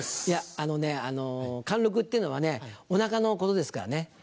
あのねあの貫禄っていうのはねお腹のことですからね。